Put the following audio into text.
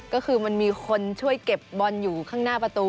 ก็คือมันมีคนช่วยเก็บบอลอยู่ข้างหน้าประตู